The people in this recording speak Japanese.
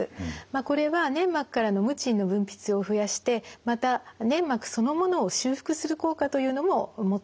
これは粘膜からのムチンの分泌を増やしてまた粘膜そのものを修復する効果というのも持っています。